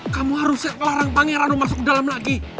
kamu harus setelah orang pangeran mau masuk ke dalam lagi